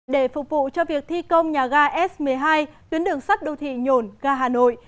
để phục vụ cho việc thi công nhà ga s một mươi hai tuyến đường sắt đô thị nhổn ga hà nội